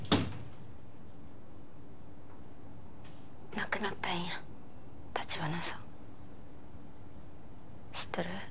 亡くなったんや橘さん知っとる？